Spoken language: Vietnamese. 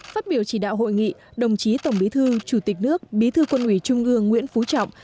phát biểu chỉ đạo hội nghị đồng chí tổng bí thư chủ tịch nước bí thư quân ủy trung ương nguyễn phú trọng